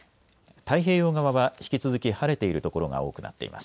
太平洋側は引き続き晴れている所が多くなっています。